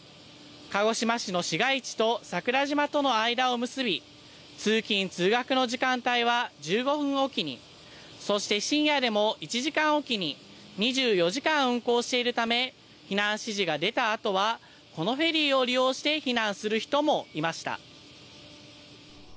鹿児島市の市街地と、桜島との間を結び、通勤・通学の時間帯は１５分置きに、そして深夜でも１時間置きに、２４時間運航しているため、避難指示が出たあとは、このフェリーを利用して避難する人もいました。